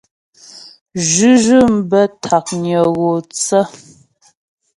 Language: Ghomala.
Zhʉ́zhʉ̂m bə́ ntǎknyə gho thə.